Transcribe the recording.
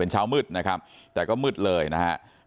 เป็นเช้ามืดนะครับแต่ก็มืดเลยนะครับ